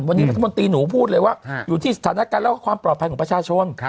วันนี้รัฐมนตรีหนูพูดเลยว่าอยู่ที่สถานการณ์แล้วก็ความปลอดภัยของประชาชน